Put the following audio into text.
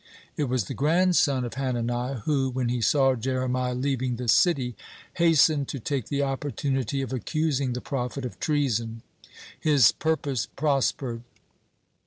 It was the grandson of Hananiah who, when he saw Jeremiah leaving the city, hastened to take the opportunity of accusing the prophet of treason. His purpose prospered.